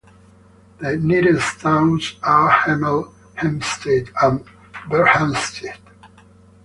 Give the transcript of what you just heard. The nearest towns are Hemel Hempstead and Berkhamsted.